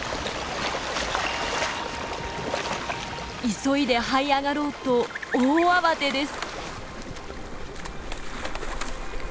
急いではい上がろうと大慌てです！